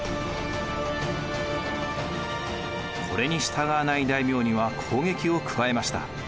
これに従わない大名には攻撃を加えました。